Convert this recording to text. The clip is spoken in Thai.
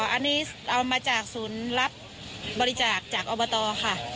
อันนี้เอามาจากศูนย์รับบริจาคจากอบตค่ะ